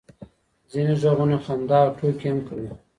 ځینې غږونه خندا او ټوکې هم کوي.